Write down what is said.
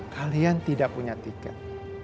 kalian tidak punya tiket